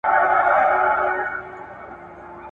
ګړی وروسته نه بادونه نه باران وو !.